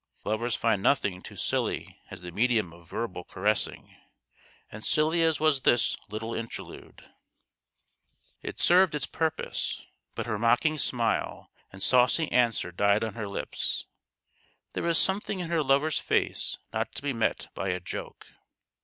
Lovers find nothing too silly as the medium of verbal caressing ; and silly as was this little interlude, it served its THE GHOST OF THE PAST. 157 purpose. But her mocking smile and saucy answer died on her lips. There was something in her lover's face not to be met by a joke.